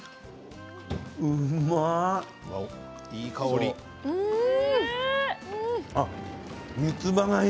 うまい。